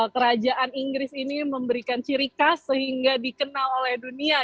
kerajaan inggris ini memberikan ciri khas sehingga dikenal oleh dunia